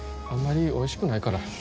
あんまりおいしくないから。